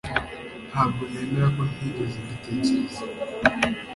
ntabwo nemera ko ntigeze mbitekereza